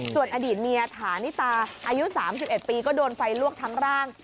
ส่วนอดีตเมียฐานิตาอายุ๓๑ปีก็โดนไฟลวกทั้งร่าง